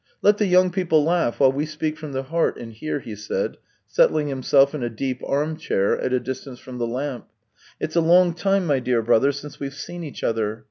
" Let the young people laugh, while we speak from the heart in here," he said, settling himself in a deep arm chair at a distance from the lamp. " It's a long time, my dear brother, since we've seen each other.